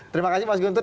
terima kasih mas guntur